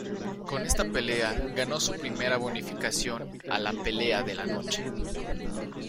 Con esta pelea ganó su primera bonificación a la "Pelea de la Noche".